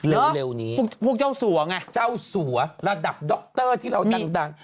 เร็วเร็วนี้พวกพวกเจ้าสั่วไงเจ้าสั่วระดับด็อกเตอร์ที่เรามีดังดัง